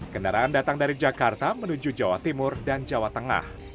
kendaraan datang dari jakarta menuju jawa timur dan jawa tengah